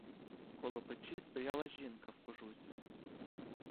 Коло печі стояла жінка в кожусі.